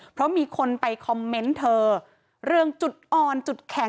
เพราะมีคนไปคอมเมนต์เธอเรื่องจุดอ่อนจุดแข็ง